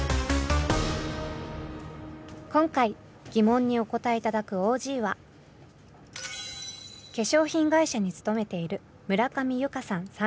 今回ギモンにお答えいただくＯＧは化粧品会社に勤めている村上裕香さん